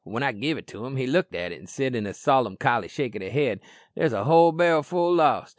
When I gave it to him he looked at it, an' said with a solemcholy shake o' the head, 'There's a whole barrel full lost!'